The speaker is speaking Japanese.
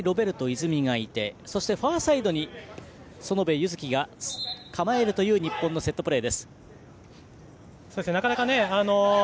泉がいてファーサイドに園部優月が構えるという日本のセットプレーです。